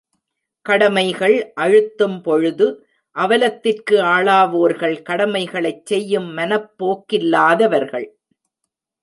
கடமைகள் அழுத்தும் பொழுது அவலத்திற்கு ஆளாவோர்கள் கடமைகளைச் செய்யும் மனப் போக்கில்லாதவர்கள்.